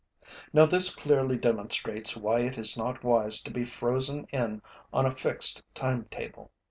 Now this clearly demonstrates why it is not wise to be frozen in on a fixed timetable.